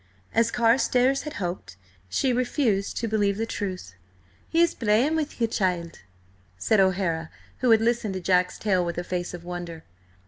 As Carstares had hoped, she refused to believe the truth. "He is playing with ye, child," said O'Hara, who had listened to Jack's tale with a face of wonder.